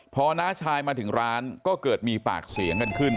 พอน้าชายมาถึงร้านก็เกิดมีปากเสียงกันขึ้น